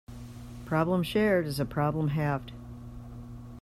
A problem shared is a problem halved.